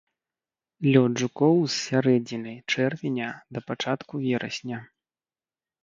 Лёт жукоў з сярэдзіны чэрвеня да пачатку верасня.